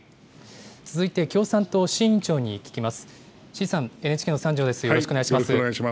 続いて、共産党、志位委員長に聞きます。